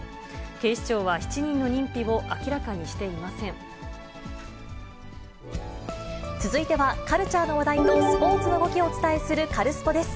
警視庁は７人の認否を明らかにし続いては、カルチャーの話題とスポーツの動きをお伝えするカルスポっ！です。